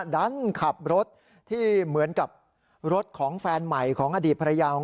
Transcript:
ดันขับรถที่เหมือนกับรถของแฟนใหม่ของอดีตภรรยาของ